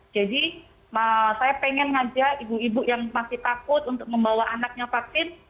jadi saya ingin mengajak ibu ibu yang masih takut untuk membawa anaknya vaksin